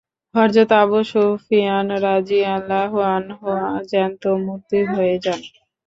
হযরত Abu Sufyan রাযিয়াল্লাহু আনহু জ্যান্ত মূর্তি হয়ে যান।